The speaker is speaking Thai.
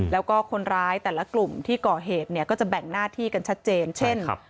แล้วก็คนร้ายแต่ละกลุ่มที่ก่อเหตุเนี่ยก็จะแบ่งหน้าที่กันชัดเจนเช่น